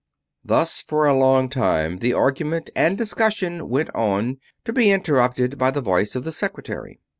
Thus for a long time the argument and discussion went on, to be interrupted by the voice of the secretary.